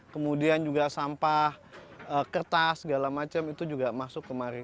kemudian juga sampah kertas segala macam itu juga masuk kemarin